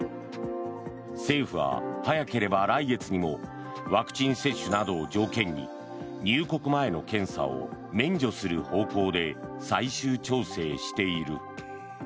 政府は、早ければ来月にもワクチン接種などを条件に入国前の検査を免除する方向で最終調整している。